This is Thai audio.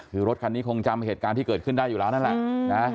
คือรถคันนี้คงจำเหตุการณ์ที่เกิดขึ้นได้อยู่แล้วนั่นแหละนะ